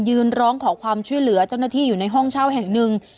ยืนร้องขอความช่วยเหลือเจ้าหน้าที่อยู่ในห้องเช่าแห่งหนึ่ง